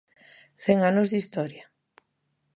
Cen anos de historia.